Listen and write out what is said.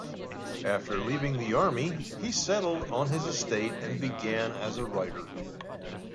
After leaving the army he settled on his estate and began as a writer.